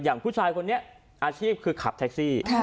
ผู้ชายคนนี้อาชีพคือขับแท็กซี่